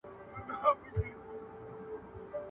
ياران ماران دي، خوړل کوي، نا اشنا ښه دي، اشنا ټکل کوي.